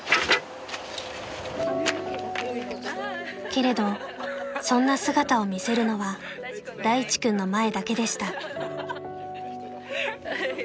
［けれどそんな姿を見せるのは大地君の前だけでした］